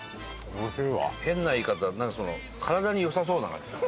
変な言い方なんか体に良さそうな感じするね。